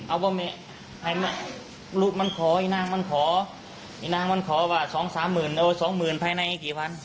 เอาว่าแม่ลูกมันขออีนางมันขออีนางมันขอว่า๒๓หมื่นเอาไว้สองหมื่นภายในอีกกี่วัน